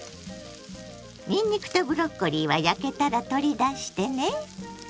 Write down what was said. にんにくとブロッコリーは焼けたら取り出してね。